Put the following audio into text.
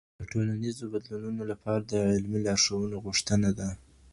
د ټولنیزو بدلونونو لپاره د عملي لارښوونو غوښتنه ده.